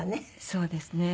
そうですね。